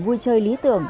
vui chơi lý tưởng